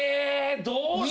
どうしよ。